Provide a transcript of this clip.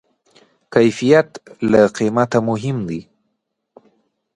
کیفیت له قیمته مهم دی.